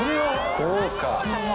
豪華。